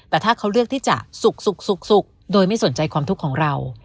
แต่ถ้าเขาเลือกที่จะสุกโดยไม่สนใจความทุกข์ของเรา